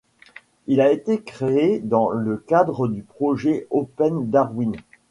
Il a été créé dans le cadre du projet OpenDarwin.